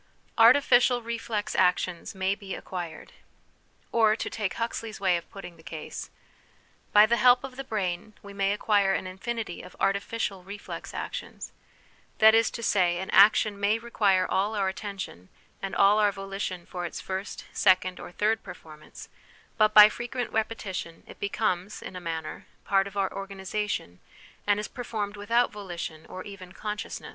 Artificial Reflex Actions may be Acquired. Or, to take Huxley's way of putting the case : "By the help of the brain we may acquire an infinity of artificial reflex actions ; that is to say, an action may require all our attention and all our volition for its first, second, or third performance, but by frequent repetition it becomes, in a manner, part of our organ isation, and is performed without volition or even consciousness.